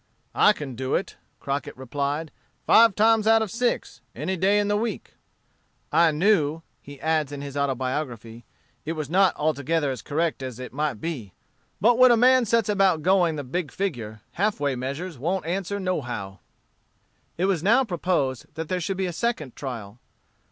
"I can do it," Crockett replied, "five times out of six, any day in the week." "I knew," he adds, in his autobiography, "it was not altogether as correct as it might be; but when a man sets about going the big figure, halfway measures won't answer no how." It was now proposed that there should be a second trial.